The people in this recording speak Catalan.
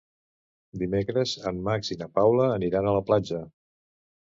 Dimecres en Max i na Paula aniran a la platja.